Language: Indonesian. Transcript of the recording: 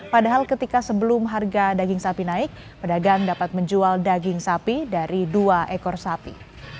padahal ketika sebelum harga daging sapi naik pedagang dapat menjual daging sapi dari dua ekor sapi